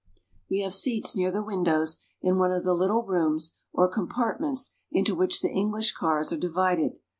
We have seats near the windows in one of the little rooms or compartments into which the English cars are divided.